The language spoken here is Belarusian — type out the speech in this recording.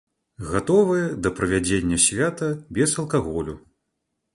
Гатовыя да правядзення свята без алкаголю.